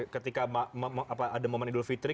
ketika ada momen idul fitri